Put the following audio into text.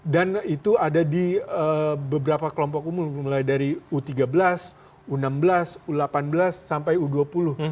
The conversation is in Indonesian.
itu ada di beberapa kelompok umur mulai dari u tiga belas u enam belas u delapan belas sampai u dua puluh